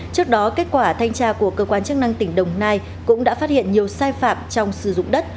trước đó kết quả thanh tra của cơ quan chức năng tỉnh đồng nai cũng đã phát hiện nhiều sai phạm trong sử dụng đất